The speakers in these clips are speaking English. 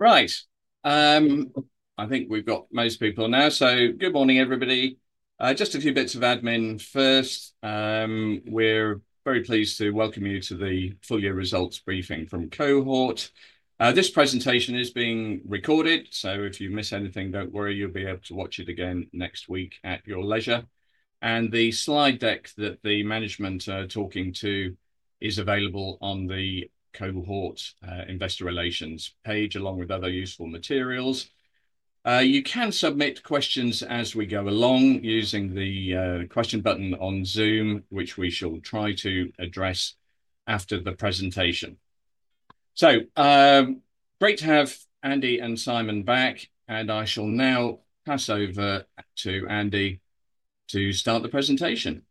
Right, I think we've got most people now, so good morning everybody. Just a few bits of admin first. We're very pleased to welcome you to the full year results briefing from Cohort. This presentation is being recorded, so if you miss anything, don't worry, you'll be able to watch it again next week at your leisure. The slide deck that the management are talking to is available on the Cohort Investor Relations page, along with other useful materials. You can submit questions as we go along using the question button on Zoom, which we shall try to address after the presentation. It's great to have Andy and Simon back. I shall now pass over to Andy to start the presentation.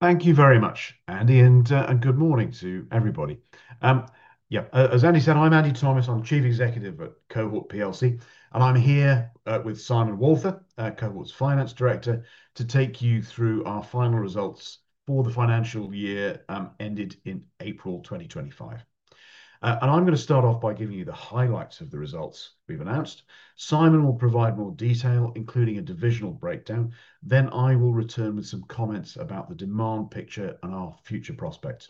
Thank you very much, Andy, and good morning to everybody. Yep, as Andy said, I'm Andrew Thomis, I'm Chief Executive at Cohort PLC and I'm here with Simon Walther, Cohort's Finance Director, to take you through our final results for the financial year ended in April 2025. I'm going to start off by giving you the highlights of the results we've announced. Simon will provide more detail, including a divisional breakdown. I will return with some comments about the demand picture and our future prospects.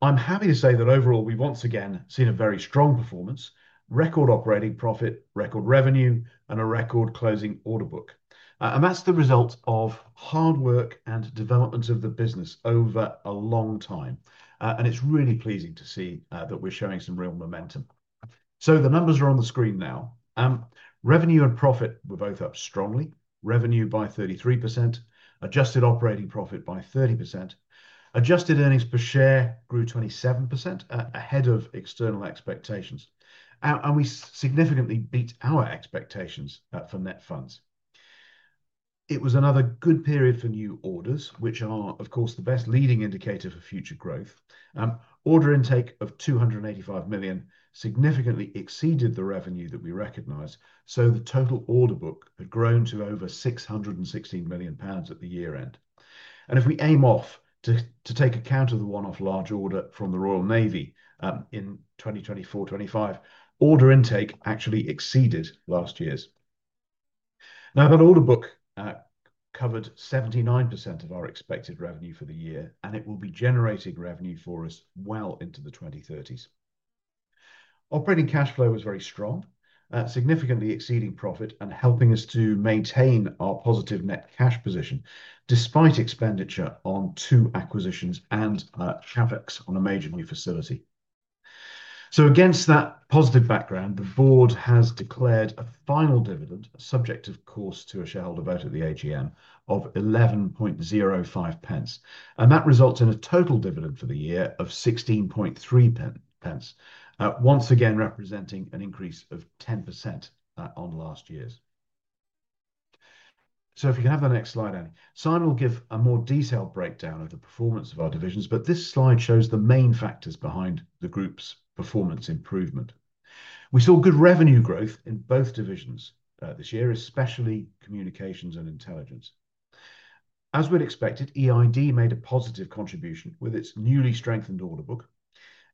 I'm happy to say that overall we have once again seen a very strong performance: record operating profit, record revenue, and a record closing order book. That's the result of hard work and development of the business over a long time. It's really pleasing to see that we're showing some real momentum. The numbers are on the screen now. Revenue and profit were both up strongly. Revenue by 33%, adjusted operating profit by 30%. Adjusted earnings per share grew 27% ahead of external expectations and we significantly beat our expectations for net funds. It was another good period for new orders, which are of course the best leading indicator for future growth. Order intake of 285 million significantly exceeded the revenue that we recognized. The total order book had grown to over 616 million pounds at the year end. If we aim off to take account of the one-off large order from the Royal Navy in 2024-25, order intake actually exceeded last year's. That order book covered 79% of our expected revenue for the year and it will be generating revenue for us well into the 2030s. Operating cash flow was very strong, significantly exceeding profit and helping us to maintain our positive net cash position despite expenditure on two acquisitions and CapEx on a major new facility. Against that positive background, the board has declared a final dividend, subject of course to a shareholder vote at the AGM, of 0.1105 and that results in a total dividend for the year of 0.163, once again representing an increase of 10% on last year's. If you can have the next slide, Andy, Simon will give a more detailed breakdown of the performance of our divisions. This slide shows the main factors behind the group's performance improvement. We saw good revenue growth in both divisions this year, especially communications and intelligence. As we'd expected, EID made a positive contribution with its newly strengthened order book.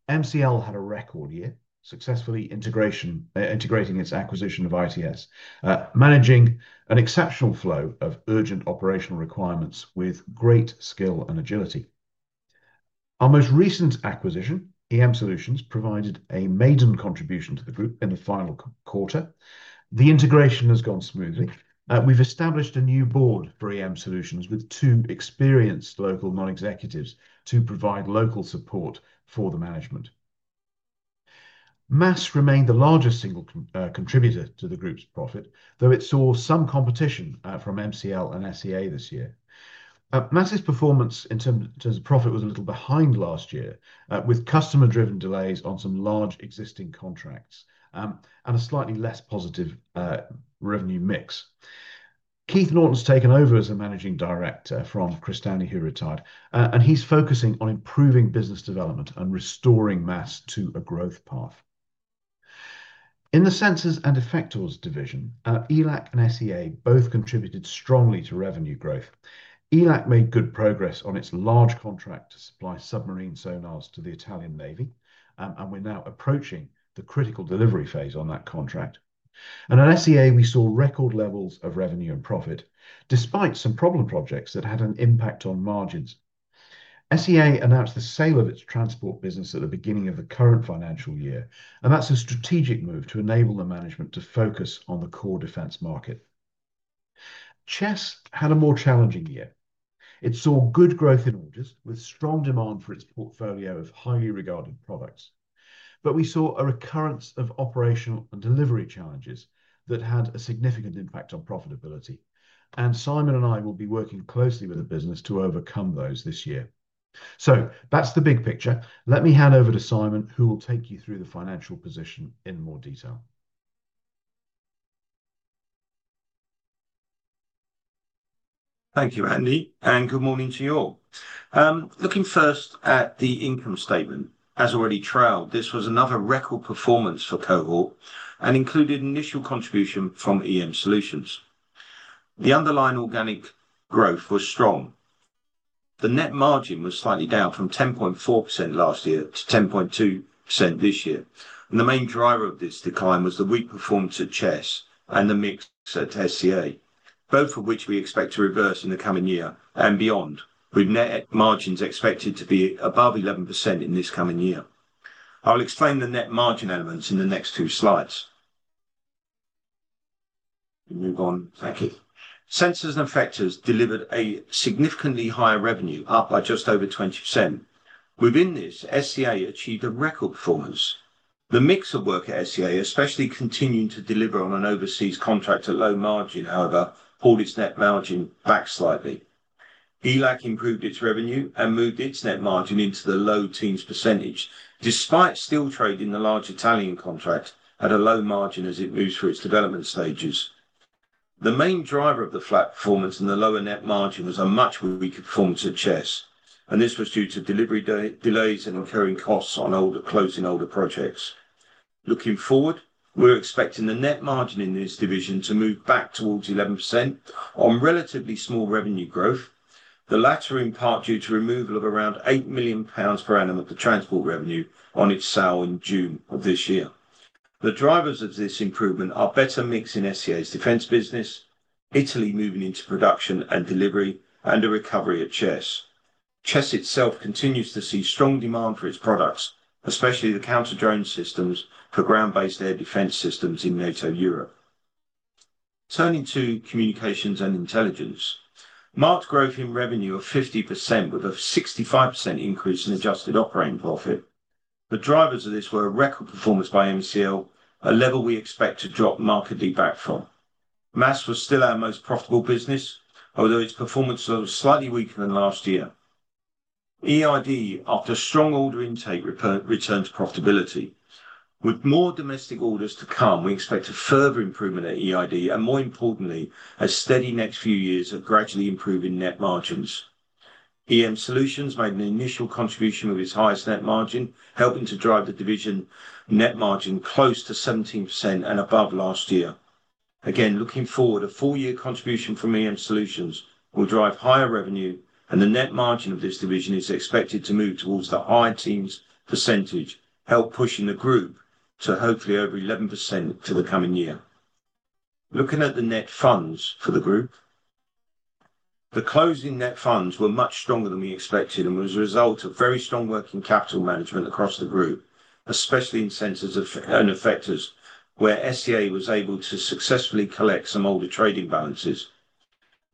MCL had a record year, successfully integrating its acquisition and managing an exceptional flow of urgent operational requirements with great skill and agility. Our most recent acquisition, EM Solutions, provided a maiden contribution to the group. In the final quarter, the integration has gone smoothly. We've established a new board for EM Solutions with two experienced local non-executives to provide local support for the management. MASS remained the largest single contributor to the group's profit, though it saw some competition from MCL and SEA this year. MASS's performance in terms of profit was a little behind last year with customer-driven delays on some large existing contracts and a slightly less positive revenue mix. Keith Norton has taken over as Managing Director from Chris Stanley, who retired, and he's focusing on improving business development and restoring MASS to a growth path. In the Sensors and Effectors division, ELAC and SEA both contributed strongly to revenue growth. ELAC made good progress on its large contract to supply submarine sonars to the Italian navy, and we're now approaching the critical delivery phase on that contract. At SEA, we saw record levels of revenue and profit despite some problem projects that had an impact on margins. SEA announced the sale of its transport business at the beginning of the current financial year, and that's a strategic move to enable the management to focus on the core defense market. Chess had a more challenging year. It saw good growth in orders with strong demand for its portfolio of highly regarded products. We saw a recurrence of operational and delivery challenges that had a significant impact on profitability. Simon and I will be working closely with the business to overcome those this year. That's the big picture. Let me hand over to Simon, who will take you through the financial position in more detail. Thank you, Andy, and good morning to you all. Looking first at the income statement, as already trialed, this was another record performance for Cohort and included initial contribution from EM Solutions. The underlying organic growth was strong. The net margin was slightly down from 10.4% last year to 10.2%. The main driver of this decline was the weak performance at Chess and the mix at SEA, both of which we expect to reverse in the coming year and beyond, with net margins expected to be above 11% in this coming year. I will explain the net margin elements in the next two slides. Move on. Thank you. Sensors and effectors delivered a significantly higher revenue, up by just over 20%. Within this, SEA achieved a record performance. The mix of work at SEA, especially continuing to deliver on an overseas contract at low margin, however, pulled its net margin back slightly. ELAC improved its revenue and moved its net margin into the low teens percentage despite still trading the large Italian contract at a low margin as it moves through its development stages. The main driver of the flat performance and the lower net margin was a much weaker performance of Chess, and this was due to delivery delays and incurring costs on closing older projects. Looking forward, we're expecting the net margin in this division to move back towards 11% on relatively small revenue growth, the latter in part due to removal of around 8 million pounds per annum of the transport revenue on its sale in June of this year. The drivers of this improvement are better mix in SEA's defense business, Italy moving into production and delivery, and a recovery at Chess. Chess itself continues to see strong demand for its products, especially the counter-drone systems for ground-based air defense systems in NATO Europe. Turning to communications and intelligence, marked growth in revenue of 50% with a 65% increase in adjusted operating profit. The drivers of this were record performance by MCL, a level we expect to drop markedly back from. MASS was still our most profitable business, although its performance was slightly weaker than last year. EID, after strong order intake, returned to profitability with more domestic orders to come. We expect a further improvement at EID and, more importantly, a steady next few years of gradually improving net margins. EM Solutions made an initial contribution with its highest net margin, helping to drive the division net margin close to 17% and above last year. Again, looking forward, a full year contribution from EM Solutions will drive higher revenue, and the net margin of this division is expected to move towards the higher teens percentage, helping push the group to hopefully over 11% in the coming year. Looking at the net funds for the group, the closing net funds were much stronger than we expected and was a result of very strong working capital management across the group, especially in sensors and effectors where SEA was able to successfully collect some older trading balances.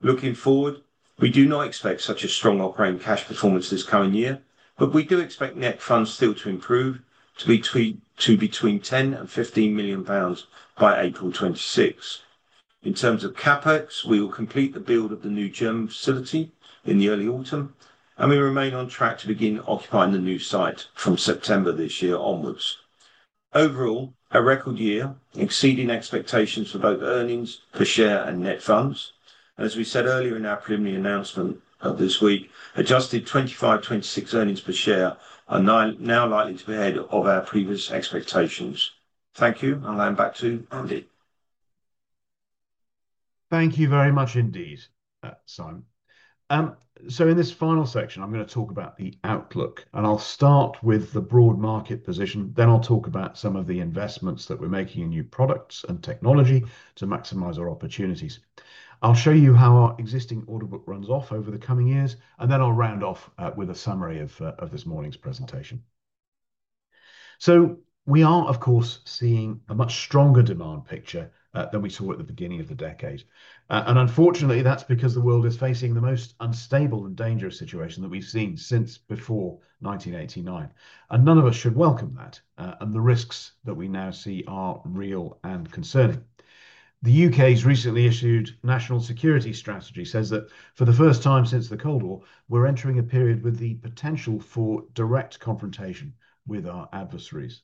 Looking forward, we do not expect such a strong operating cash performance this coming year, but we do expect net funds still to improve to be between 10 million and 15 million pounds by April 2026. In terms of CapEx, we will complete the build of the new German facility in the early autumn, and we remain on track to begin occupying the new site from September this year onwards. Overall, a record year, exceeding expectations for both earnings per share and net funds. As we said earlier in our preliminary announcement of this week, adjusted 2025, 2026 earnings per share are now likely to be ahead of our previous expectations. Thank you. I'll hand back to Andy. Thank you very much indeed, Simon. In this final section I'm going to talk about the outlook and I'll start with the broad market position. Then I'll talk about some of the investments that we're making in new products and technology to maximize our opportunities. I'll show you how our existing order book runs off over the coming years and then I'll round off with a summary of this morning's presentation. We are of course seeing a much stronger demand picture than we saw at the beginning of the decade. Unfortunately that's because the world is facing the most unstable and dangerous situation that we've seen since before 1989 and none of us should welcome that. The risks that we now see are real and concerning. The U.K.'s recently issued National Security Strategy says that for the first time since the Cold War, we're entering a period with the potential for direct confrontation with our adversaries.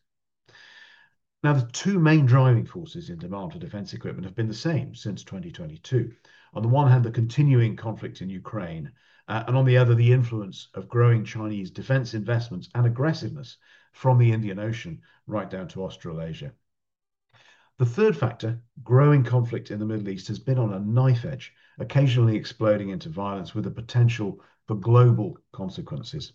The two main driving forces in demand for defense equipment have been the same since 2022. On the one hand, the continuing conflict in Ukraine, and on the other, the influence of growing Chinese defense investments and aggressiveness from the Indian Ocean right down to Australasia. The third factor, growing conflict in the Middle East, has been on a knife edge, occasionally exploding into violence with the potential for global consequences.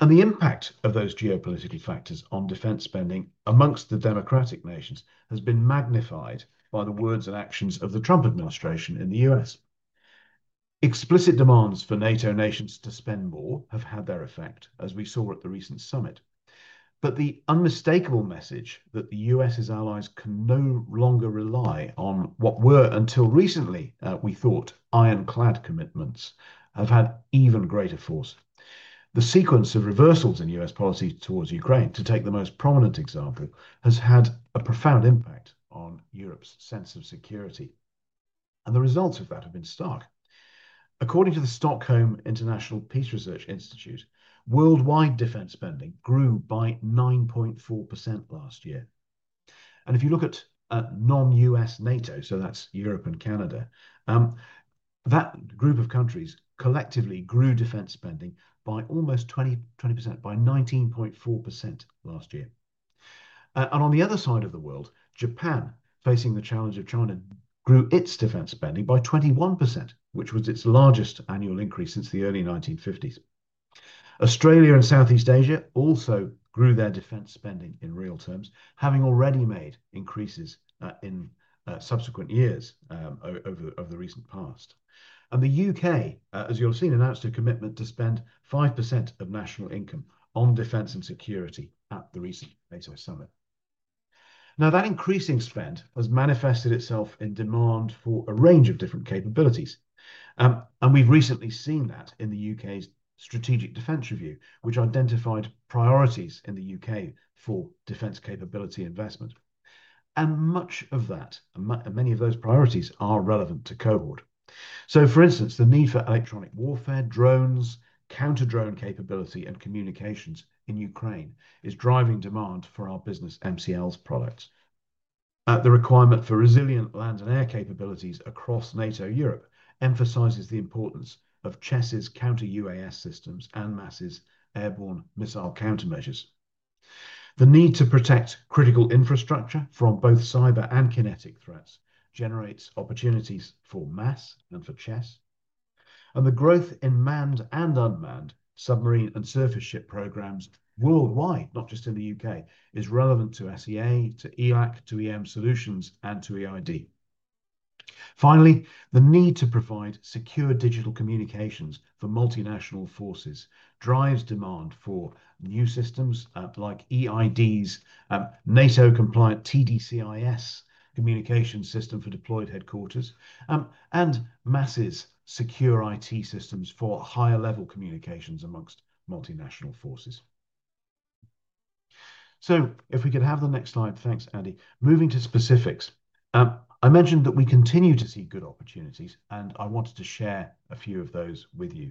The impact of those geopolitical factors on defense spending amongst the democratic nations has been magnified by the words and actions of the Trump administration. In the U.S., explicit demands for NATO nations to spend more have had their effect, as we saw at the recent summit. The unmistakable message that the U.S.'s allies can no longer rely on what were, until recently we thought, ironclad commitments have had even greater force. The sequence of reversals in U.S. policy towards Ukraine, to take the most prominent example, has had a profound impact on Europe's sense of security and the results of that have been stark. According to the Stockholm International Peace Research Institute, worldwide defense spending grew by 9.4% last year. If you look at non-U.S. NATO, so that's Europe and Canada, that group of countries collectively grew defense spending by almost 20%, by 19.4% last year. On the other side of the world, Japan, facing the challenge of China, grew its defense spending by 21%, which was its largest annual increase since the early 1950s. Australia and Southeast Asia also grew their defense spending in real terms, having already made increases in subsequent years of the recent past. The U.K., as you'll see, announced a commitment to spend 5% of national income on defense and security at the recent ASO summit. That increasing spend has manifested itself in demand for a range of different capabilities. We've recently seen that in the U.K.'s Strategic Defence Review, which identified priorities in the U.K. for defense capability investment, and many of those priorities are relevant to Cohort. For instance, the need for electronic warfare, drones, counter-drone capability, and communications in Ukraine is driving demand for our business MCL's products. The requirement for resilient land and air capabilities across NATO Europe emphasizes the importance of Chess's counter-UAV systems and MASS's airborne missile countermeasures. The need to protect critical infrastructure from both cyber and kinetic threats generates opportunities for MASS and for Chess. The growth in manned and unmanned submarine and surface ship programs worldwide, not just in the U.K., is relevant to SEA, to ELAC, to EM Solutions, and to EID. Finally, the need to provide secure digital communications for multinational forces drives demand for new systems like EID's NATO-compliant TDCIS communication system for deployed headquarters and MASS's secure IT systems for higher-level communications amongst multinational forces. If we could have the next slide. Thanks, Andy. Moving to specifics, I mentioned that we continue to see good opportunities, and I wanted to share a few of those with you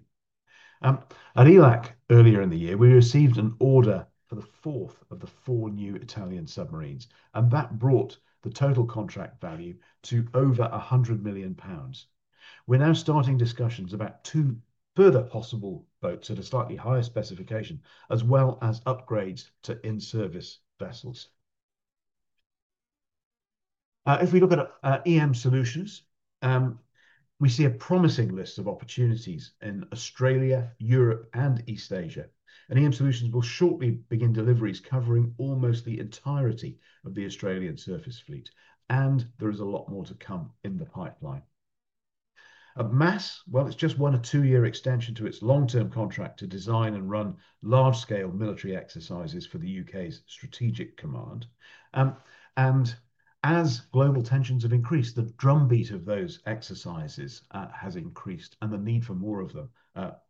at ELAC. Earlier in the year, we received an order for the fourth of the four new Italian submarines, and that brought the total contract value to over 100 million pounds. We're now starting discussions about two further possible boats at a slightly higher specification as well as upgrades to in-service vessels. If we look at EM Solutions, we see a promising list of opportunities in Australia, Europe, and East Asia, and EM Solutions will shortly begin deliveries covering almost the entirety of the Australian surface fleet. There is a lot more to come in the pipeline. MASS has just won a two-year extension to its long-term contract to design and run large-scale military exercises for the U.K.'s Strategic Command. As global tensions have increased, the drumbeat of those exercises has increased, and the need for more of them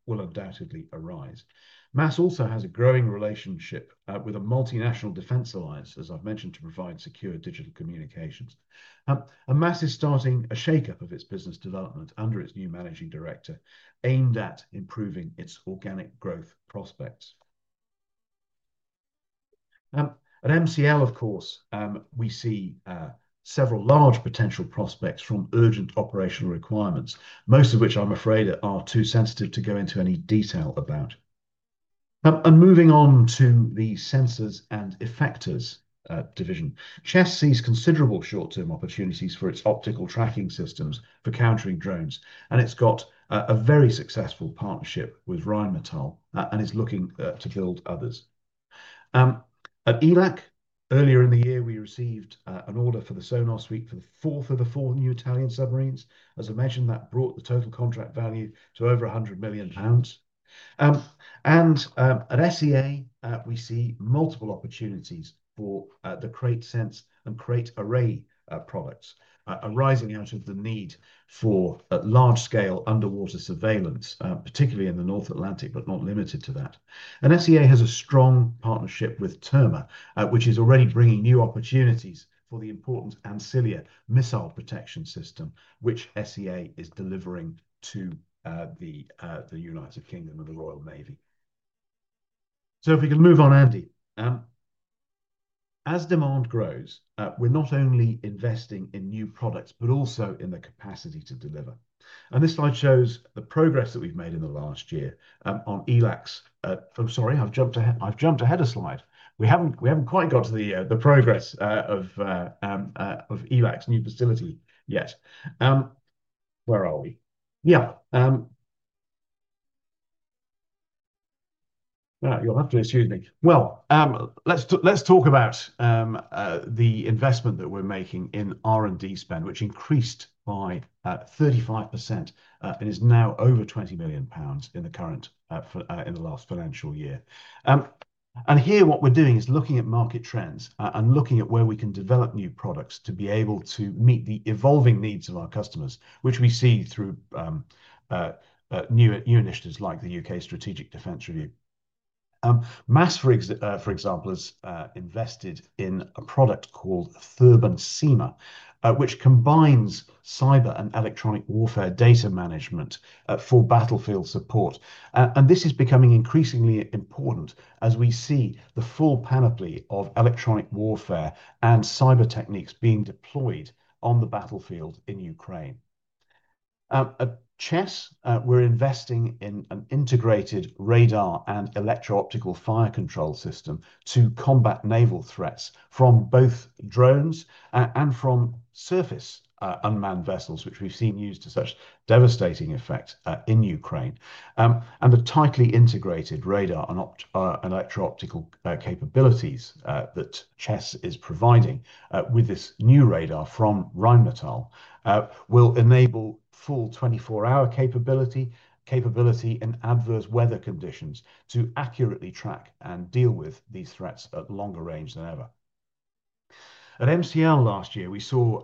will undoubtedly arise. MASS also has a growing relationship with a multinational defense alliance, as I've mentioned, to provide secure digital communications. MASS is starting a shakeup of its business development under its new Managing Director, aimed at improving its organic growth prospects. At MCL, of course, we see several large potential prospects from urgent operational requirements, most of which, I'm afraid, are too sensitive to go into any detail about. Moving on to the Sensors and Effectors division, Chess sees considerable short-term opportunities for its optical tracking systems for countering drones. It's got a very successful partnership with Rheinmetall and is looking to build others. At ELAC, earlier in the year, we received an order for the sonar suite for the fourth of the four new Italian submarines, a measure that brought the total contract value to over 100 million pounds. At SEA, we see multiple opportunities for the Cratesense and Crate Array products arising out of the need for large-scale underwater surveillance, particularly in the North Atlantic, but not limited to that. SEA has a strong partnership with Terma, which is already bringing new opportunities for the important Ancilia missile protection system, which SEA is delivering to the United Kingdom and the Royal Navy. If we can move on, Andy, as demand grows, we're not only investing in new products, but also in the capacity to deliver. This slide shows the progress that we've made in the last year on ELAC's—I'm sorry, I've jumped ahead a slide. We haven't quite got to the progress of ELAC's new facility yet. Where are we? You'll have to excuse me. Let's talk about the investment that we're making in R&D spend, which increased by 35% and is now over 20 million pounds in the last financial year. Here, what we're doing is looking at market trends and looking at where we can develop new products to be able to meet the evolving needs of our customers, which we see through new initiatives like the U.K. Strategic Defence Review. MASS, for example, has invested in a product called Thurbon CEMA, which combines cyber and electronic warfare data management for battlefield support. This is becoming increasingly important as we see the full panoply of electronic warfare and cyber techniques being deployed on the battlefield in Ukraine. At Chess, we're investing in an integrated radar and electro-optical fire control system to combat naval threats from both drones and from surface unmanned vessels, which we've seen used to such devastating effect in Ukraine. The tightly integrated radar electro-optical capabilities that Chess is providing with this new radar from Rheinmetall will enable full 24-hour capability in adverse weather conditions to accurately track and deal with these threats at longer range than ever. At MCL last year, we saw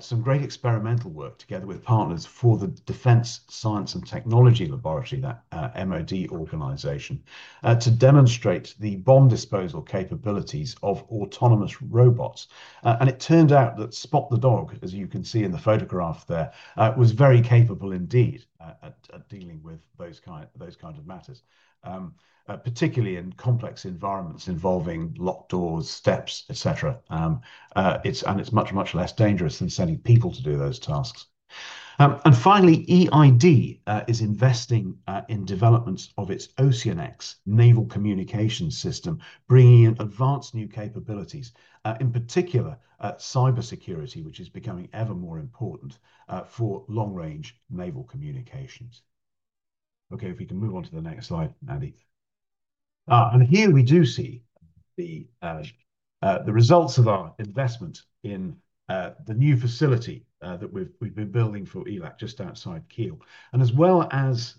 some great experimental work together with partners for the Defence Science and Technology Laboratory, that MOD organization, to demonstrate the bomb disposal capabilities of autonomous robots. It turned out that Spot the dog, as you can see in the photograph there, was very capable indeed at dealing with those kinds of matters, particularly in complex environments involving locked doors, steps, etc. It's much, much less dangerous than sending people to do those tasks. Finally, EID is investing in developments of its OceanX naval communications system, bringing in advanced new capabilities, in particular cybersecurity, which is becoming ever more important for long-range naval communications. If we can move on to the next slide, Andy. Here we do see the results of our investment in the new facility that we've been building for ELAC just outside Kiel. As well as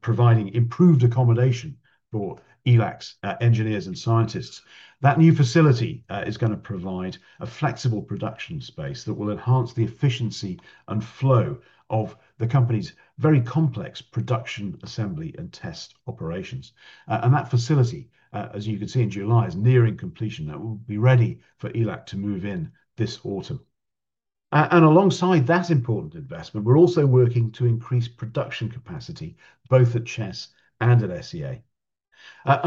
providing improved accommodation for ELAC's engineers and scientists, that new facility is going to provide a flexible production space that will enhance the efficiency and flow of the company's very complex production, assembly, and test operations. That facility, as you can see in July, is nearing completion. That will be ready for ELAC to move in this autumn. Alongside that important investment, we're also working to increase production capacity both at Chess and at SEA.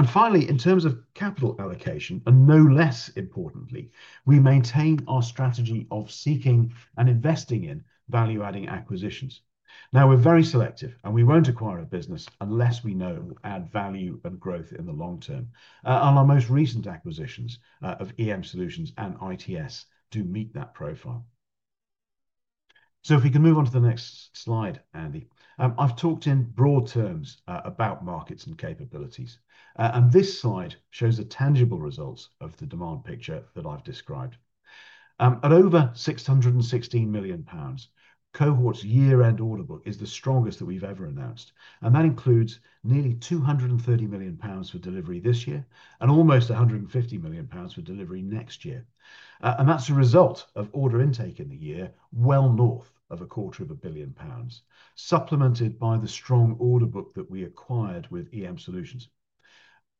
Finally, in terms of capital allocation, and no less importantly, we maintain our strategy of seeking and investing in value-adding acquisitions. We're very selective, and we won't acquire a business unless we know it will add value and growth in the long term. Our most recent acquisitions of EM Solutions and ITS do meet that profile. If we can move on to the next slide, Andy, I've talked in broad terms about markets and capabilities, and this slide shows the tangible results of the demand picture that I've described. At over 616 million pounds, Cohort's year-end order book is the strongest that we've ever announced. That includes nearly 230 million pounds for delivery this year and almost 150 million pounds for delivery next year. That's a result of order intake in the year well north of a quarter of a billion pounds, supplemented by the strong order book that we acquired with EM Solutions.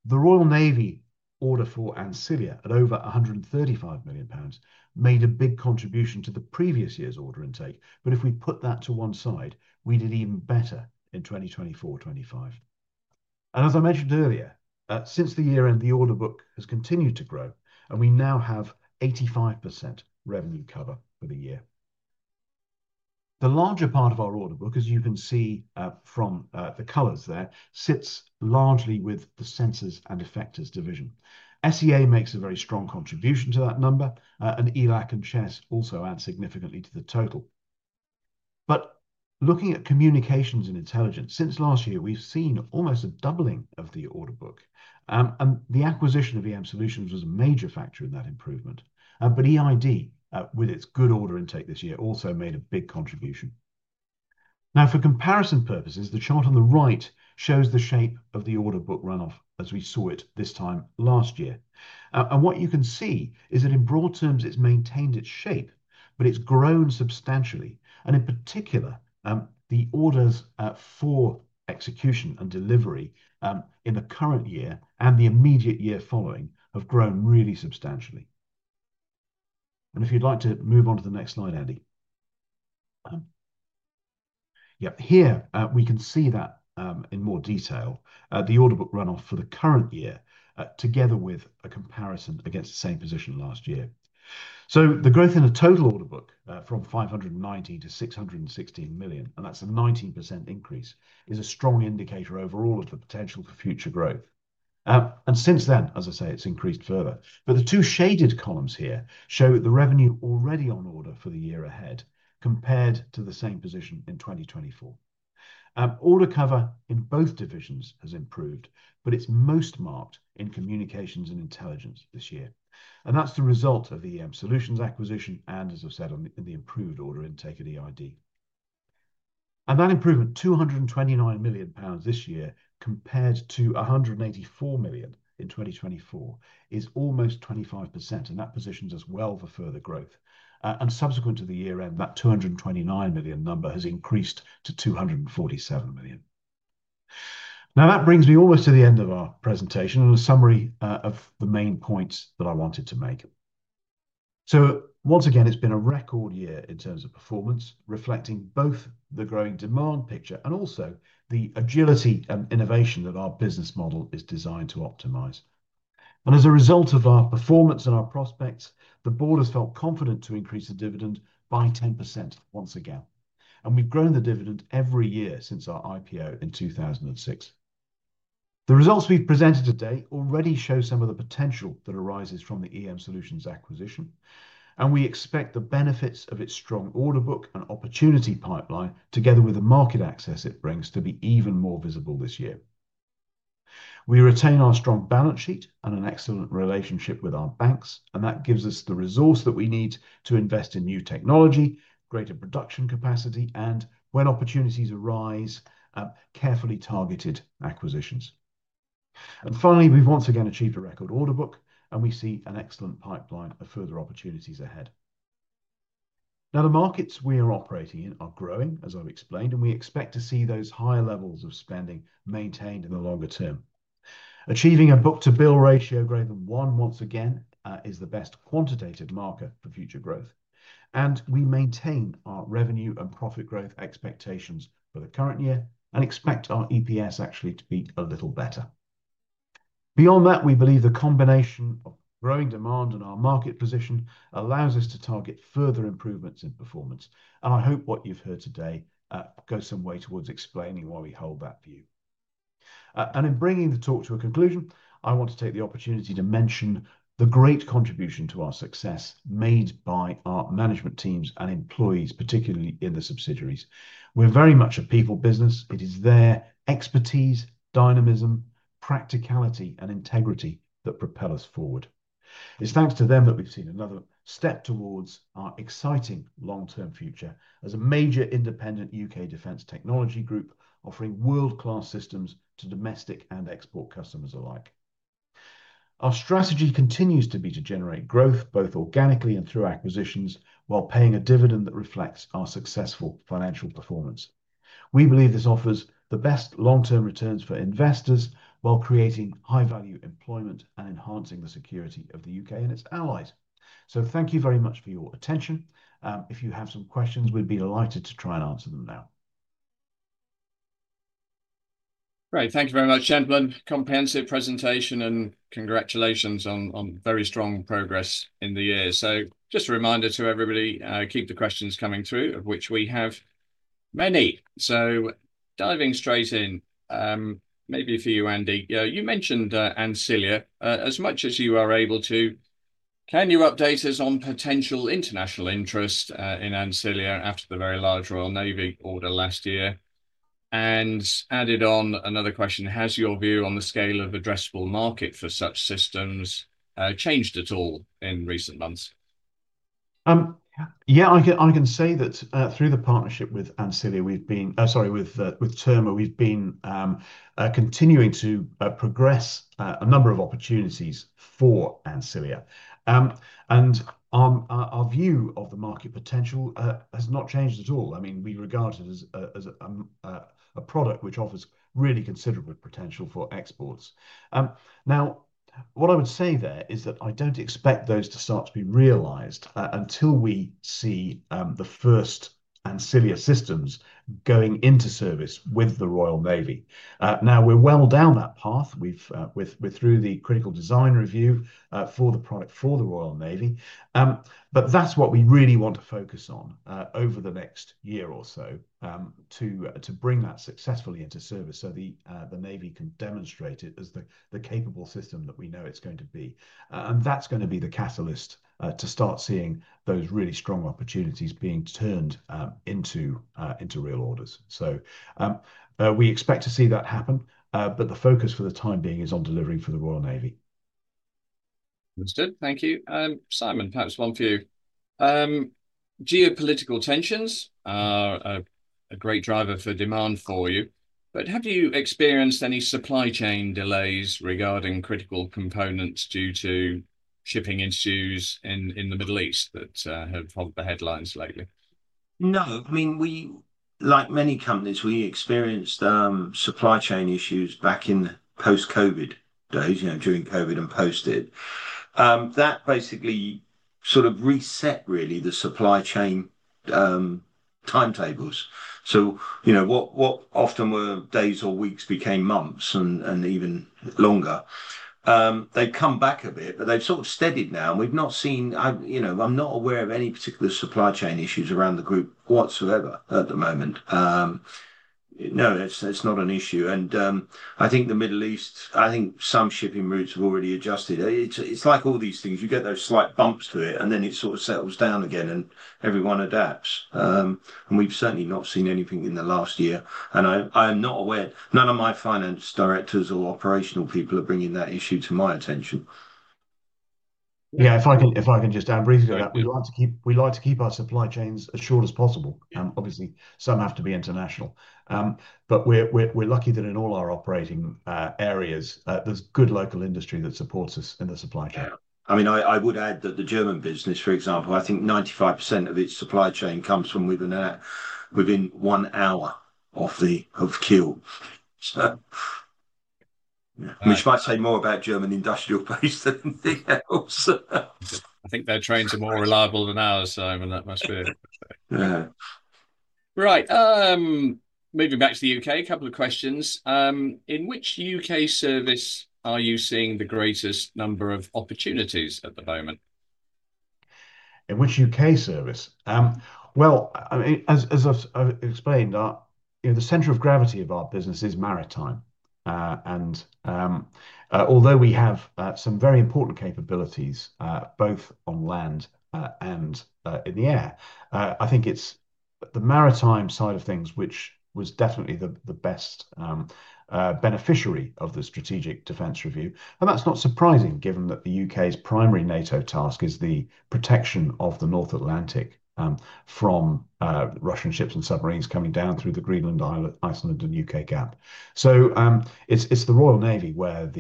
The Royal Navy order for Ancilia at over 135 million pounds made a big contribution to the previous year's order intake. If we put that to one side, we did even better in 2024-2025. As I mentioned earlier, since the year end, the order book has continued to grow, and we now have 85% revenue cover for the year. The larger part of our order book, as you can see from the colors there, sits largely with the Sensors and Effectors division. SEA makes a very strong contribution to that number, and ELAC and Chess also add significantly to the total. Looking at Communications and Intelligence, since last year, we've seen almost a doubling of the order book. The acquisition of EM Solutions was a major factor in that improvement, but EID, with its good order intake this year, also made a big contribution. For comparison purposes, the chart on the right shows the shape of the order book runoff as we saw it this time last year. What you can see is that in broad terms, it's maintained its shape, but it's grown substantially. In particular, the orders for execution and delivery in the current year and the immediate year following have grown really substantially. If you'd like to move on to the next slide, Andy. Yep, here we can see that in more detail. The order book runoff for the current year, together with a comparison against the same position last year. The growth in a total order book from 519 million to 616 million, and that's a 19% increase, is a strong indicator overall of the potential for future growth. Since then, it's increased further. The two shaded columns here show the revenue already on order for the year ahead compared to the same position in 2024. Order cover in both divisions has improved, but it's most marked in communications and intelligence this year. That's the result of the EM Solutions acquisition, and as I've said on the improved order intake at EID, and that improvement, 229 million pounds this year compared to 184 million in 2024, is almost 25%. That positions us well for further growth. Subsequent to the year end, that 229 million increased to 247 million. That brings me almost to the end of our presentation and a summary of the main points that I wanted to make. Once again, it's been a record year in terms of performance, reflecting both the growing demand picture and also the agility and innovation that our business model is designed to optimize. As a result of our performance and our prospects, the Board has felt confident to increase the dividend by 10% once again. We've grown the dividend every year since our IPO in 2006. The results we've presented today already show some of the potential that arises from the EM Solutions acquisition and we expect the benefits of its strong order book and opportunity pipeline, together with the market access it brings, to be even more visible this year. We retain our strong balance sheet and an excellent relationship with our banks and that gives us the resource that we need to invest in new technology, greater production capacity and when opportunities arise, carefully targeted acquisitions. Finally, we've once again achieved a record order book and we see an excellent pipeline of further opportunities ahead. The markets we're operating in are growing, as I've explained, and we expect to see those higher levels of spending maintained in the longer term. Achieving a book-to-bill ratio greater than one once again is the best quantitative marker for future growth. We maintain our revenue and profit growth expectations for the current year and expect our EPS actually to be a little better. Beyond that, we believe the combination of growing demand and our market position allows us to target further improvements in performance. I hope what you've heard today goes some way towards explaining why we hold that view. In bringing the talk to a conclusion, I want to take the opportunity to mention the great contribution to our success made by our management teams and employees, particularly in the subsidiaries. We're very much a people business. It is their expertise, dynamism, practicality, and integrity that propel us forward. It's thanks to them that we've seen another step towards our exciting long term future as a major independent U.K. defense technology group, offering world class systems to domestic and export customers alike. Our strategy continues to be to generate growth both organically and through acquisitions, while paying a dividend that reflects our successful financial performance. We believe this offers the best long term returns for investors while creating high value employment and enhancing the security of the U.K. and its allies. Thank you very much for your attention. If you have some questions, we'd be delighted to try and answer them now. Great, thank you very much gentlemen. Comprehensive presentation and congratulations on very strong progress in the year. Just a reminder to everybody, keep the questions coming through, of which we have many. Diving straight in, maybe for you Andy, you mentioned Ancilia as much as you are able to. Can you update us on potential international interest in Ancilia after the very large Royal Navy order last year? Added on another question, has your view on the scale of addressable market for such systems changed at all in recent months? Yeah, I can say that through the partnership with Terma, we've been continuing to progress a number of opportunities for Ancilia and our view of the market potential has not changed at all. I mean, we regard it as a product which offers really considerable potential for exports. Now, what I would say there is that I don't expect those to start to be realized until we see the first Ancilia systems going into service with the Royal Navy. We're well down that path. We're through the critical design review for the product for the Royal Navy, but that's what we really want to focus on over the next year or so, to bring that successfully into service so the Navy can demonstrate it as the capable system that we know it's going to be. That's going to be the catalyst to start seeing those really strong opportunities being turned into real orders. We expect to see that happen, but the focus for the time being is on delivering for the Royal Navy. Understood, thank you, Simon, perhaps one for you. Geopolitical tensions are a great driver for demand for you, but have you experienced any supply chain delays regarding critical components due to shipping issues in the Middle East that have hovered the headlines lately? No. I mean, like many companies, we experienced supply chain issues back in the post-COVID days, during COVID and post it. That basically sort of reset, really, the supply chain timetables. What often were days or weeks became months and even longer. They have come back a bit, but they've steadied now and we've not seen, you know, I'm not aware of any particular supply chain issues around the group whatsoever at the moment. No, it's not an issue. I think the Middle East, I think some shipping routes have already adjusted. It's like all these things, you get those slight bumps to it and then it settles down and everyone adapts. We've certainly not seen anything in the last year and I am not aware. None of my Finance Directors or operational people are bringing that issue to my attention. If I can just downbreak that. We like to keep our supply chains as short as possible. Obviously, some have to be international, but we're lucky that in all our operating areas there's good local industry that supports us in the supply chain. I would add that the German business, for example, I think 95% of its supply chain comes from within one hour of Kiel. If anything, that says more about the German industrial base than anything else, I think. Their trains are more reliable than ours, Simon, that must be it. Right, moving back to the U.K., a couple of questions. In which U.K. service are you seeing the greatest number of opportunities at the moment? In which U.K. service. As I've explained, the center of gravity of our business is maritime. Although we have some very important capabilities both on land and in the air, I think it's the maritime side of things which was definitely the best beneficiary of the Strategic Defence Review. That's not surprising given that the U.K.'s primary NATO task is the protection of the North Atlantic from Russian ships and submarines coming down through the Greenland, Iceland, and U.K. gap. It's the Royal Navy in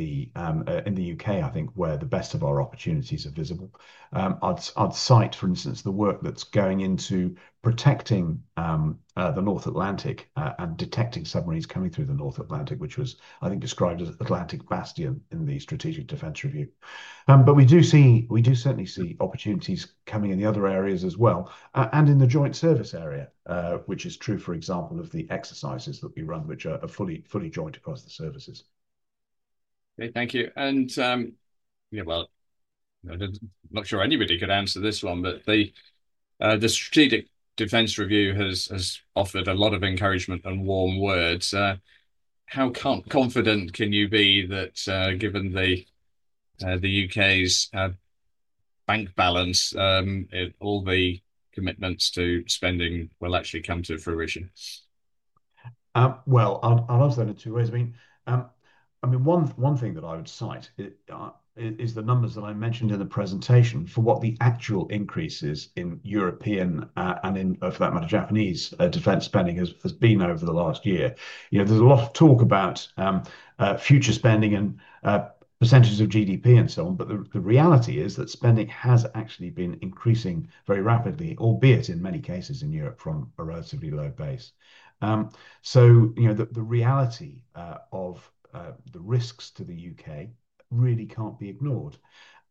the U.K., I think, where the best of our opportunities are visible. I'd cite, for instance, the work that's going into protecting the North Atlantic and detecting submarines coming through the North Atlantic, which was, I think, described as Atlantic bastion in the Strategic Defence Review. We do certainly see opportunities coming in the other areas as well, and in the joint service area, which is true, for example, of the exercises that we run, which are fully joint deposit services. Thank you. Not sure anybody could answer this one, but the Strategic Defence Review has offered a lot of encouragement and warm words. How confident can you be that, given the U.K.'s bank balance, all the commitments to spending will actually come to fruition? I'll answer that in two ways. One thing that I would cite is the numbers that I mentioned in the presentation for what the actual increases in European, and for that matter, Japanese defense spending has been over the last year. There's a lot of talk about future spending and percentage of GDP and so on, but the reality is that spending has actually been increasing very rapidly, albeit in many cases in Europe, from a relatively low base. The reality of the risks to the U.K. really can't be ignored.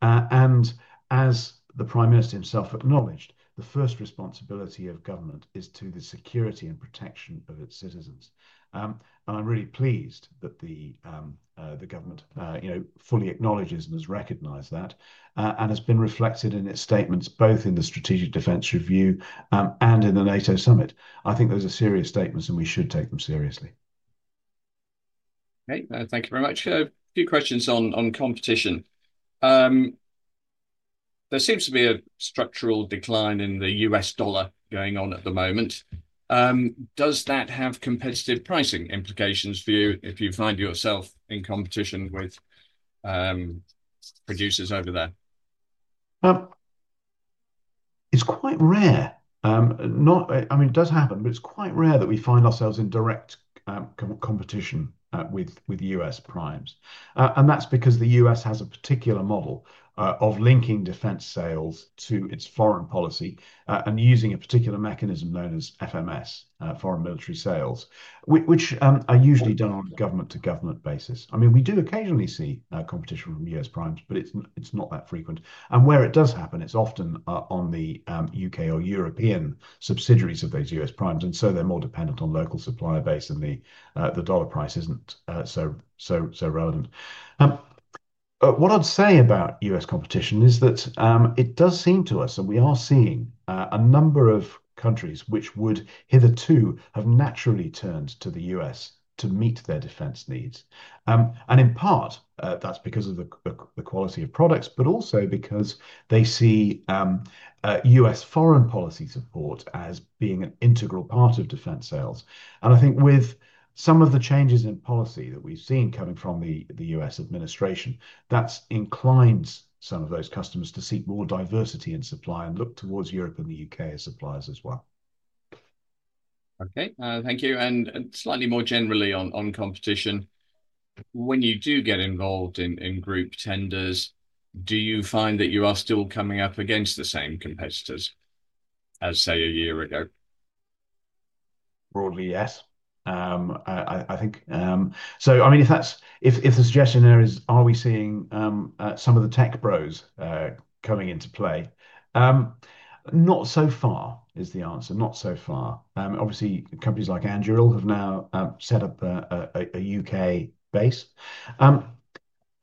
As the Prime Minister himself acknowledged, the first responsibility of government is to the security and protection of its citizens. I'm really pleased that the government fully acknowledges and has recognized that and has been reflected in its statements both in the Strategic Defence Review and in the NATO summit. I think those are serious statements and we should take them seriously. Thank you very much. A few questions on competition. There seems to be a structural decline in the U.S. dollar going on at the moment. Does that have competitive pricing implications for you if you find yourself in competition with producers over there? It's quite rare. I mean, it does happen, but it's quite rare that we find ourselves in direct competition with U.S. primes. That's because the U.S. has a particular model of linking defense sales to its foreign policy and using a particular mechanism known as FMS, Foreign Military Sales, which are usually done on a government-to-government basis. I mean, we do occasionally see competition from U.S. primes, but it's not that frequent. Where it does happen, it's often on the U.K. or European subsidiaries of those U.S. primes, so they're more dependent on the local supplier base and the dollar price isn't so relevant. What I'd say about U.S. competition is that it does seem to us, and we are seeing a number of countries which would hitherto have naturally turned to the U.S. to meet their defense needs. In part that's because of the quality of products, but also because they see U.S. foreign policy support as being an integral part of defense sales. I think with some of the changes in policy that we've seen coming from the U.S. administration, that inclines some of those customers to seek more diversity in supply and look towards Europe and the U.K. as suppliers as well. Thank you. Slightly more generally on competition, when you do get involved in group tenders, do you find that you are still coming up against the same competitors as say a year ago? Broadly, yes, I think so. I mean if the suggestion there is are we seeing some of the tech. Bros coming into play? Not so far is the answer. Not so far. Obviously, companies like Anduril have now set up a U.K. base.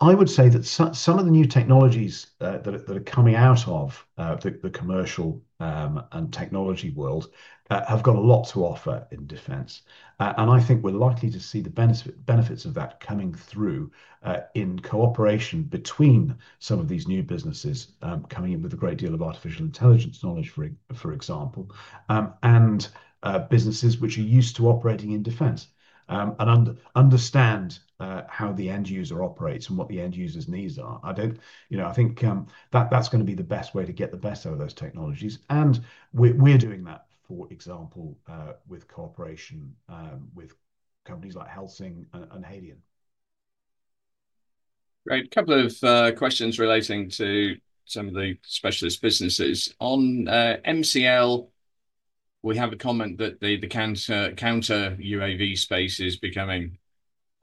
I would say that some of the new technologies that are coming out of the commercial and technology world have got a lot to offer in defense. I think we're likely to see the benefits of that coming through in cooperation between some of these new businesses coming in with a great deal of artificial intelligence knowledge, for example, and businesses which are used to operating in defense and understand how the end user operates and what the end user's needs are. I think that's going to be the best way to get the best out of those technologies. We're doing that, for example, with cooperation with companies like Helsing and Hadean. Great couple of questions relating to some of the specialist businesses on MCL. We have a comment that the counter-UAV space is becoming,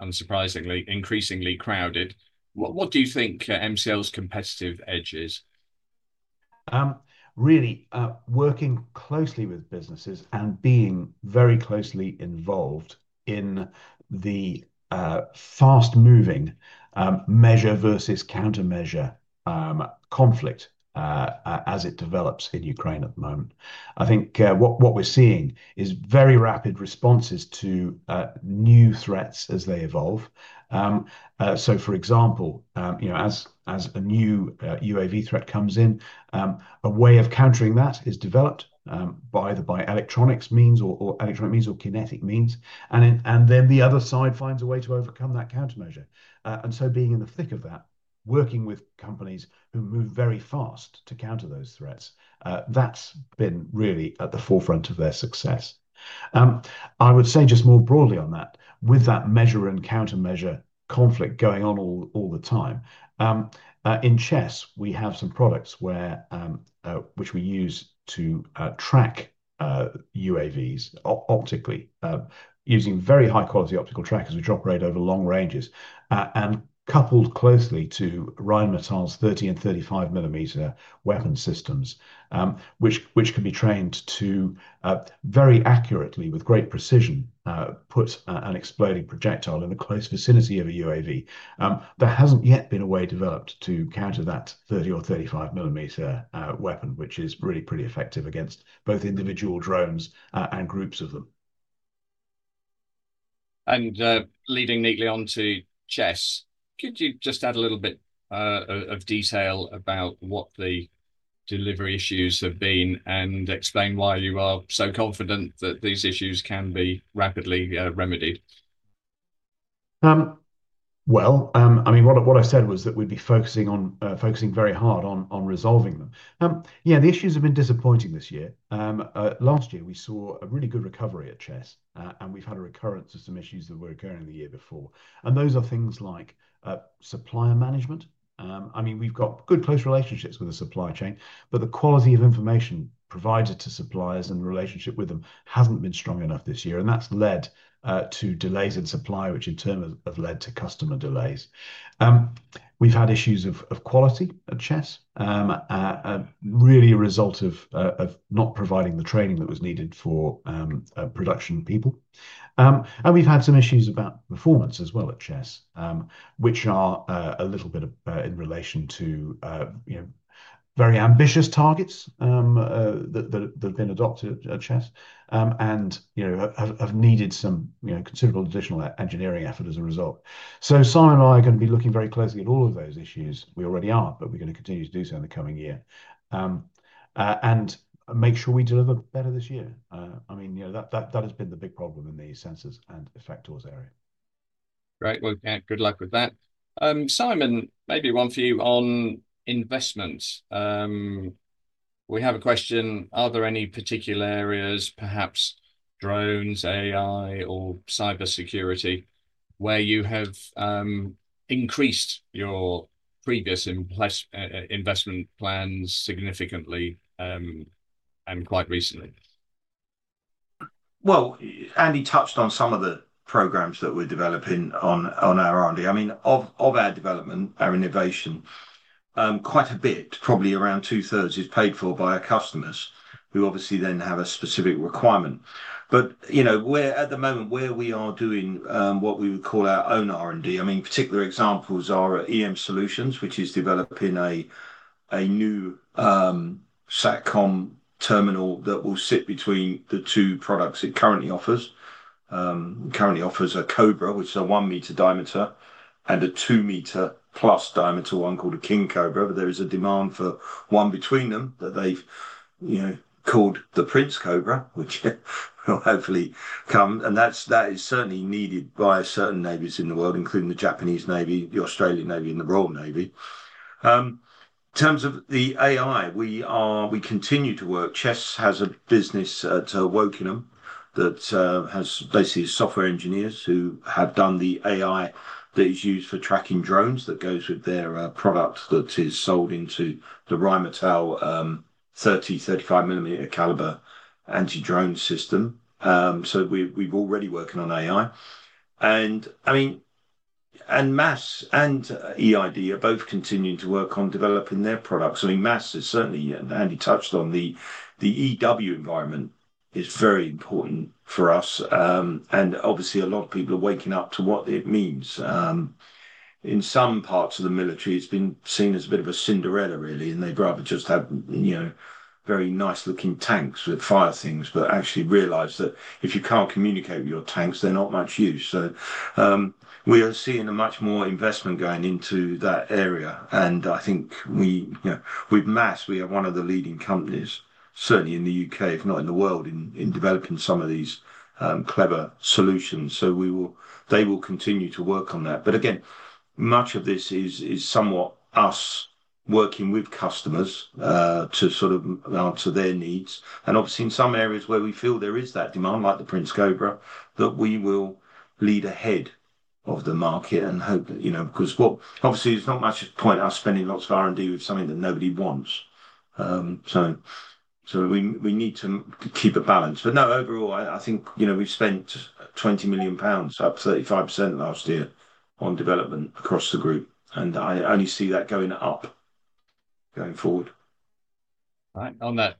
unsurprisingly, increasingly crowded. What do you think MCL's competitive edge is? Really working closely with businesses and being very closely involved in the fast-moving measure versus countermeasure conflict as it develops in Ukraine at the moment, I think what we're seeing is very rapid responses to new threats as they evolve. For example, as a new UAV threat comes in, a way of countering that is developed either by electronic means or kinetic means, and the other side finds a way to overcome that countermeasure. Being in the thick of that, working with companies who move very fast to counter those threats, that's been really at the forefront of their success. I would say just more broadly on that, with that measure and countermeasure conflict going on all the time in Chess, we have some products which we use to track UAVs optically, using very high-quality optical trackers which operate over long ranges and are coupled closely to Rheinmetall's 30 mm and 35 mm weapon systems, which can be trained to very accurately, with great precision, put an exploding projectile in the close vicinity of a UAV. There hasn't yet been a way developed to counter that 30 mm or 35 mm weapon, which is really pretty effective against both individual drones and groups of them. Leading neatly on to Chess, could you just add a little bit of detail about what the delivery issues have been, and explain why you are so confident that these issues can be rapidly remedied? What I said was that we'd be focusing very hard on resolving them. The issues have been disappointing this year. Last year we saw a really good recovery at Chess and we've had a recurrence of some issues that were occurring the year before. Those are things like supplier management. We've got good close relationships with the supply chain, but the quality of information provided to suppliers and relationship with them hasn't been strong enough this year. That's led to delays in supply, which in turn have led to customer delays. We've had issues of quality at Chess, really a result of not providing the training that was needed for production people. We've had some issues about performance as well at Chess, which are a little bit in relation to very ambitious targets that have been adopted at Chess and have needed some considerable additional engineering effort as a result. Simon and I are going to be looking very closely at all of those issues. We already are, but we're going to continue to do so in the coming year and make sure we deliver better this year. That has been the big problem in the sensors and effectors area. Great. Good luck with that, Simon. Maybe one for you. On investments, we have a question. Are there any particular areas, perhaps drones, AI, or cybersecurity, where you have increased your previous investment plans significantly and quite recently? Andy touched on some of the programs that we're developing on our R&D. Of our development, our innovation, quite a bit, probably around 2/3, is paid for by our customers who obviously then have a specific requirement. Where at the moment we are doing what we would call our own R&D, particular examples are EM Solutions, which is developing a new Satcom terminal that will sit between the two products it currently offers. It currently offers a Cobra, which is a 1 m diameter, and a 2 m plus diameter one called a King Cobra. There is a demand for one between them that they've called the Prince Cobra, which will hopefully come, and that is certainly needed by certain navies in the world, including the Japanese Navy, the Australian Navy, and the Royal Navy. In terms of the AI, we continue to work. Chess has a business at Wokingham that has basically software engineers who have done the AI that is used for tracking drones that goes with their product that is sold into the Rheinmetall 30 mm, 35 mm caliber anti-drone system. We've already been working on AI, and MASS and EID are both continuing to work on developing their products. MASS is certainly, as Andy touched on, the EW environment is very important for us, and a lot of people are waking up to what it means. In some parts of the military, it's been seen as a bit of a Cinderella really, and they'd rather just have very nice looking tanks with fire things, but actually realize that if you can't communicate with your tanks, they're not much use. We are seeing much more investment going into that area, and I think with MASS, we are one of the leading companies, certainly in the U.K. if not in the world, in developing some of these clever solutions. They will continue to work on that. Much of this is us working with customers to answer their needs, and in some areas where we feel there is that demand, like the Prince Cobra, we will lead ahead of the market and hope that, because obviously there's not much point us spending lots of R&D on something that nobody wants, we need to keep a balance. Overall, I think we've spent 20 million pounds, up 35% last year, on development across the group. I only see that going up. Going forward on that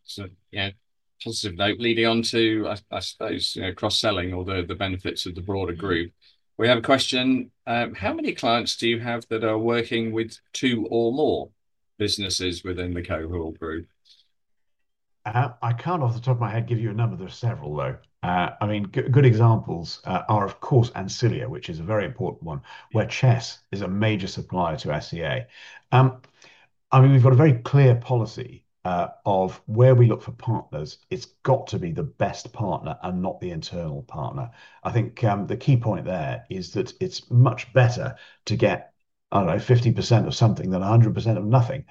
positive note, leading on to, I suppose, you know, cross selling or the benefits of the broader group, we have a question. How many clients do you have that are working with two or more businesses within the Cohort group? I can't off the top of my head give you a number. There are several though. I mean, good examples are, of course, Ancilia, which is a very important one, where Chess is a major supplier to SEA. I mean, we've got a very clear policy of where we look for partners. It's got to be the best partner and not the internal partner. I think the key point there is that it's much better to get, I don't know, 50% of something than 100% of nothing.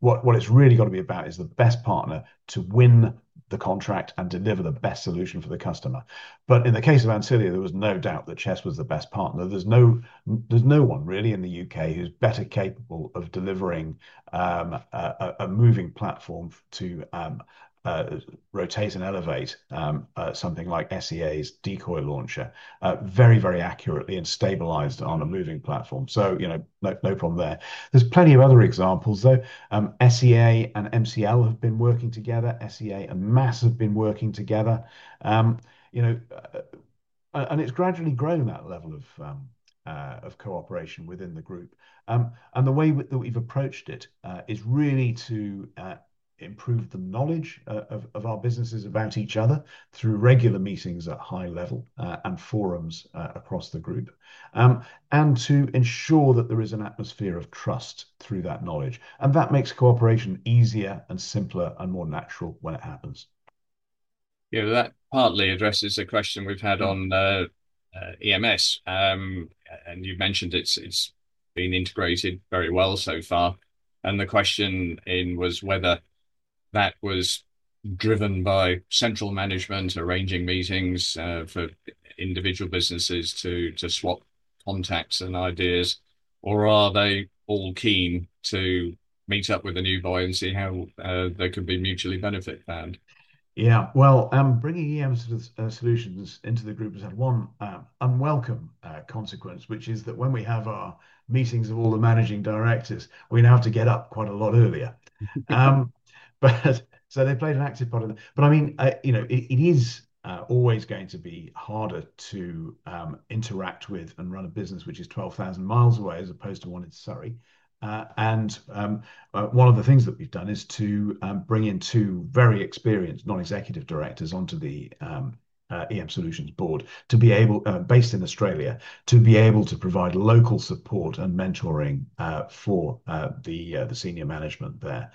What it's really got to be about is the best partner to win the contract and deliver the best solution for the customer. In the case of Ancilia, there was no doubt that Chess was the best partner. There's no one really in the U.K. who's better capable of delivering a moving platform to rotate and elevate something like SEA's decoy launcher very, very accurately and stabilized on a moving platform. No problem there. There's plenty of other examples though. SEA and MCL have been working together, SEA and MASS have been working together, and it's gradually grown. That level of cooperation within the group and the way that we've approached it is really to improve the knowledge of our businesses about each other through regular meetings at high level and forums across the group, and to ensure that there is an atmosphere of trust through that knowledge, and that makes cooperation easier and simpler and more natural when it happens. Yeah, that partly addresses the question we've had on EM Solutions and you mentioned it's been integrated very well so far, and the question was whether that was driven by central management arranging meetings for individual businesses to swap context and ideas, or are they all keen to meet up with the new boy and see how they can be mutually benefit planned. Yeah, bringing EM Solutions into the group has had one unwelcome consequence, which is that when we have our meetings of all the Managing Directors, we now have to get up quite a lot earlier, but they played an active part in it. I mean, it is always going to be harder to interact with and run a business which is 12,000 mi away as opposed to one in Surrey. One of the things that we've done is to bring in two very experienced Non-Executive Directors onto the EM Solutions Board, based in Australia, to be able to provide local support and mentoring for the senior management there.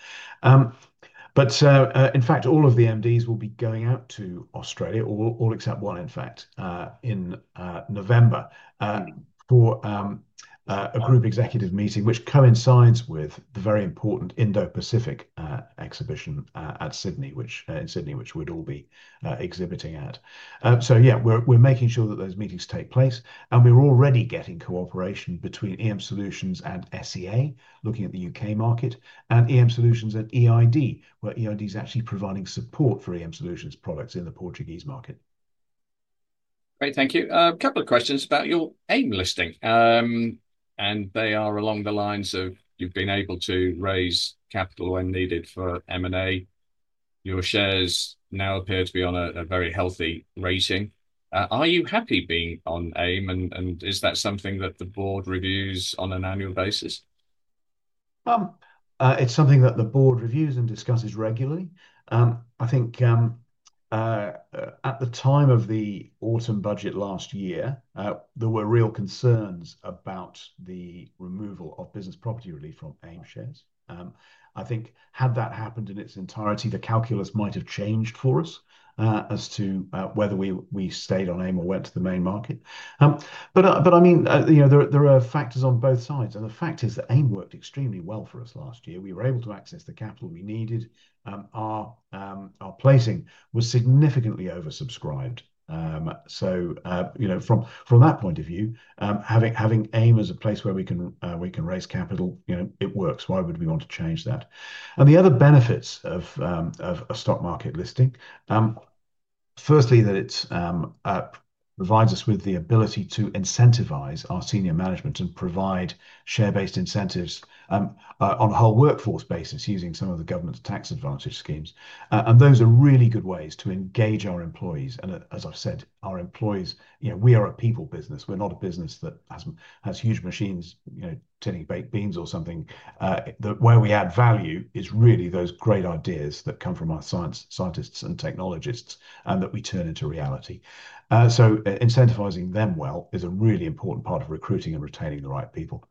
In fact, all of the MDs will be going out to Australia, all except one in fact, in November for a group executive meeting which coincides with the very important Indo Pacific Exhibition in Sydney, which we'd all be exhibiting at. We're making sure that those meetings take place and we're already getting cooperation between EM Solutions and SEA, looking at the U.K. market, and EM Solutions at EID, where EID is actually providing support for EM Solutions products in the Portuguese market. Great, thank you. A couple of questions about your AIM listing, and they are along the lines of you've been able to raise capital when needed for M&A. Your shares now appear to be on a very healthy rating. Are you happy being on AIM, and is that something that the Board reviews on an annual basis? It's something that the Board reviews and discusses regularly. I think at the time of the autumn budget last year, there were real concerns about the removal of business property relief from AIM shares. I think had that happened in its entirety, the calculus might have changed for us as to whether we stayed on AIM or went to the main market. There are factors on both sides, and the fact is that AIM worked extremely well for us last year. We were able to access the capital we needed. Our placing was significantly oversubscribed. From that point of view, having AIM as a place where we can raise capital, it works. Why would we want to change that? The other benefits of a stock market listing: firstly, that it provides us with the ability to incentivize our senior management and provide share-based incentives on a whole workforce basis using some of the government's tax-advantaged schemes. Those are really good ways to engage our employees. As I've said, our employees, you know, we are a people business. We're not a business that has huge machines tending baked beans or something. The way we add value is really those great ideas that come from our scientists and technologists and that we turn into reality. Incentivizing them well is a really important part of recruiting and retaining the right people.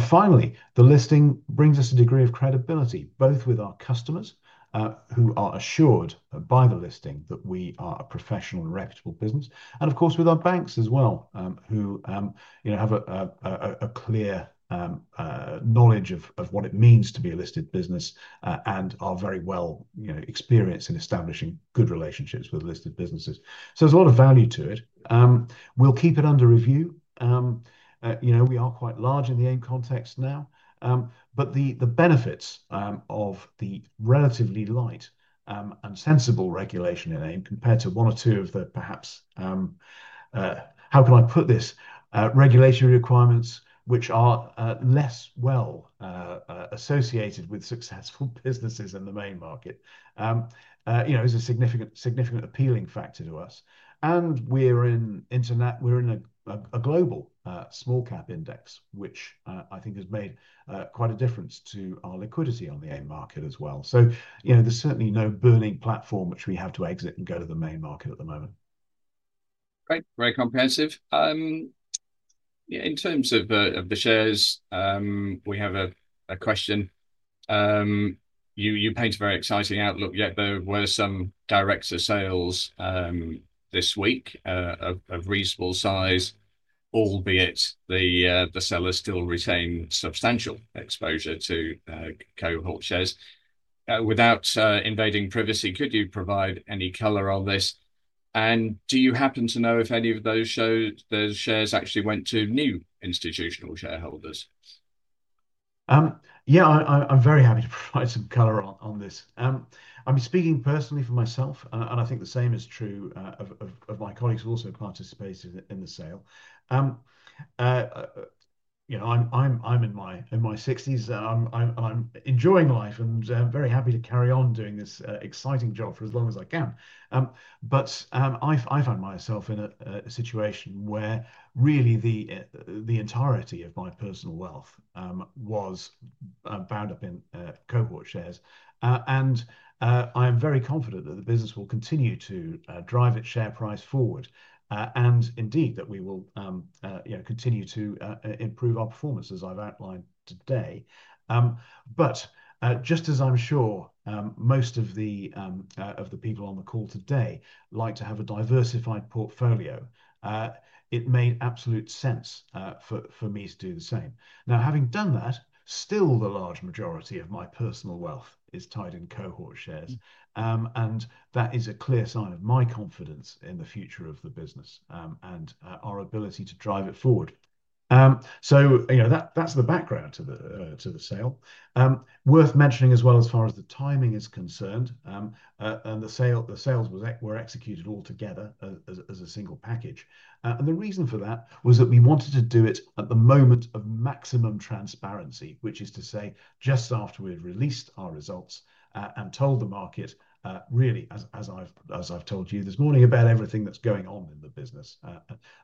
Finally, the listing brings us a degree of credibility both with our customers, who are assured by the listing that we are a professional and reputable business, and of course with our banks as well, who have a clear knowledge of what it means to be a listed business and are very well experienced in establishing good relationships with listed businesses. There's a lot of value to it. We'll keep it under review. We are quite large in the AIM context now, but the benefits of the relatively large and sensible regulation in AIM compared to one or two of the, perhaps, how can I put this, regulation requirements which are less well associated with successful businesses in the main market, is a significant, appealing factor to us. We're in a global small cap index, which I think has made quite a difference to our liquidity on the AIM market as well. There's certainly no burning platform which we have to exit and go to the main market at the moment. Great. Very comprehensive. In terms of the shares, we have a question. You paint a very exciting outlook, yet there were some direct sales this week of reasonable size, albeit the sellers still retain substantial exposure to Cohort shares. Without invading privacy, could you provide any color on this, and do you happen to know if any of those shares actually went to new institutional shareholders? Yeah, I'm very happy to provide some color on this. I'm speaking personally for myself, and I think the same is true of my colleagues who also participated in the sale. I'm in my 60s and I'm enjoying life and I'm very happy to carry on doing this exciting job for as long as I can. I find myself in a situation where really the entirety of my personal wealth was bound up in Cohort shares. I am very confident that the business will continue to drive its share price forward, and indeed that we will continue to improve our performance, as I've outlined today. Just as I'm sure most of the people on the call today like to have a diversified portfolio, it made absolute sense for me to do the same. Now, having done that, still the large majority of my personal wealth is tied in Cohort shares. That is a clear sign of my confidence in the future of the business and our ability to drive it forward. That's the background to the sale worth mentioning as well, as far as the timing is concerned. The sales were executed all together as a single package. The reason for that was that we wanted to do it at the moment of maximum transparency, which is to say just after we've released our results and told the market, really, as I've told you this morning, about everything that's going on in the business.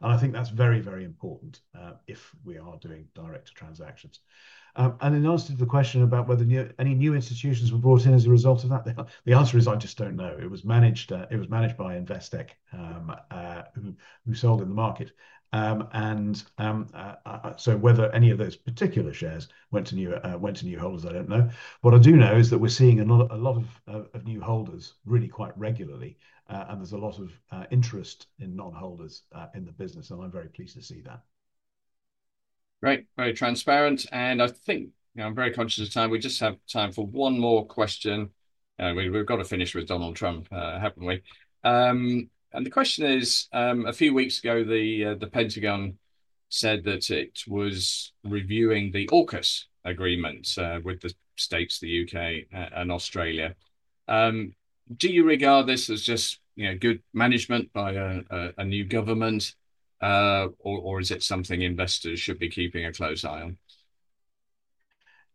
I think that's very, very important if we are doing direct transactions. In answer to the question about whether any new institutions were brought in as a result of that, the answer is I just don't know. It was managed by Investec who sold in the market, and so whether any of those particular shares went to new holders, I don't know. What I do know is that we're seeing a lot of new holders, really quite regularly, and there's a lot of interest in non holders in the business and I'm very pleased to see that. Great, very transparent. I think I'm very conscious of time. We just have time for one more question. We've got to finish with Donald Trump, haven't we? The question is, a few weeks ago the Pentagon said that it was reviewing the Orcas agreement with the States, the U.K., and Australia. Do you regard this as just good management by a new government or is it something investors should be keeping a close eye on?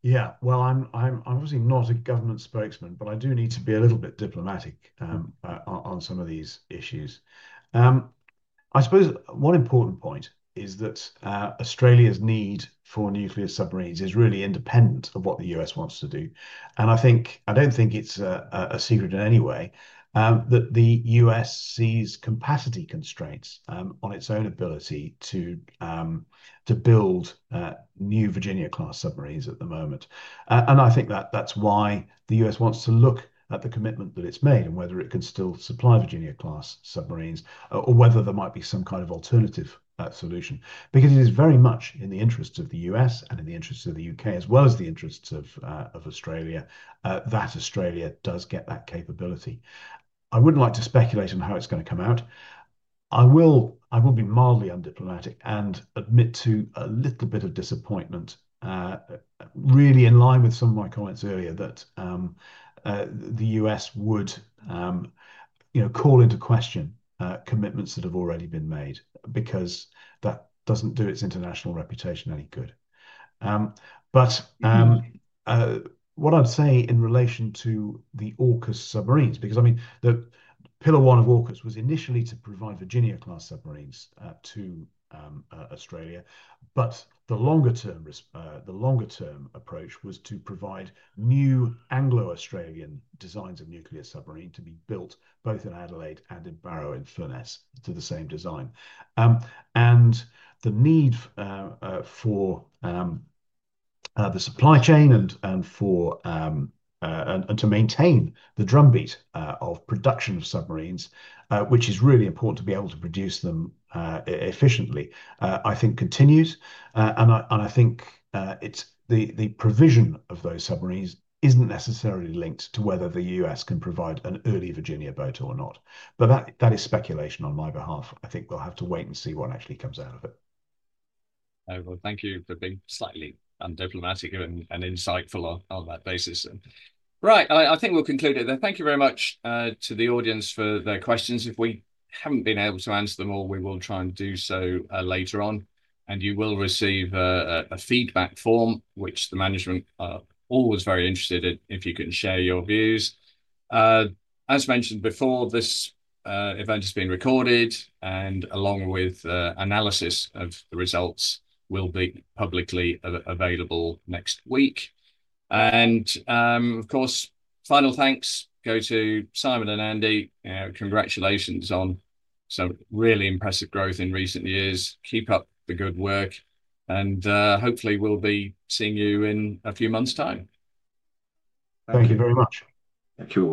Yeah, I'm obviously not a government spokesman, but I do need to be a little bit diplomatic on some of these issues, I suppose. One important point is that Australia's need for nuclear submarines is really independent of what the U.S. wants to do. I don't think it's a secret in any way that the U.S. sees capacity constraints on its own ability to build new Virginia class submarines at the moment. I think that's why the U.S. wants to look at the commitment that it's made and whether it can still supply Virginia class submarines or whether there might be some kind of alternative solution. It is very much in the interests of the U.S. and in the interests of the U.K. as well as the interests of Australia that Australia does get that capability. I wouldn't like to speculate on how it's going to come out. I will be mildly undiplomatic and admit to a little bit of disappointment, really in line with some of my comments earlier, that the U.S. would call into question commitments that have already been made because that doesn't do its international reputation any good. What I'd say in relation to the AUKUS submarines, because I mean the pillar one of AUKUS was initially to provide Virginia class submarines to Australia, but the longer term, the longer term approach was to provide new Anglo-Australian designs of nuclear submarine to be built both in Adelaide and in Barrow-in-Furness to the same design, and the need for the supply chain and to maintain the drumbeat of production of submarines, which is really important to be able to produce them efficiently, I think continues. I think the provision of those submarines isn't necessarily linked to whether the U.S. can provide an early Virginia boat or not. That is speculation on my behalf. I think we'll have to wait and see what actually comes out of it. Thank you for being slightly undiplomatic and insightful on that basis. Right, I think we'll conclude it then. Thank you very much to the audience for their questions. If we haven't been able to answer them all, we will try and do so later on and you will receive a feedback form, which the management are always very interested in if you can share your views. As mentioned before, this event has been recorded and, along with analysis of the results, will be publicly available next week. Of course, final thanks go to Simon and Andy. Congratulations on some really impressive growth in recent years. Keep up the good work and hopefully we'll be seeing you in a few months' time. Thank you very much. Thank you.